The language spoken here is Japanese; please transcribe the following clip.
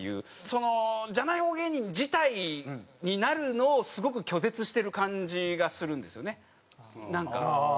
そのじゃない方芸人自体になるのをすごく拒絶してる感じがするんですよねなんか。